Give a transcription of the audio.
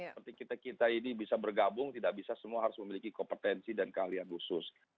seperti kita kita ini bisa bergabung tidak bisa semua harus memiliki kompetensi dan keahlian khusus